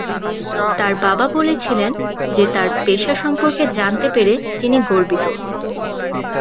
তার বাবা বলেছিলেন যে তাঁর পেশা সম্পর্কে জানতে পেরে তিনি "গর্বিত"।